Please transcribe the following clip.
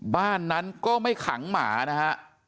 บ้านนั้นก็ไม่ขังหมานะฮะ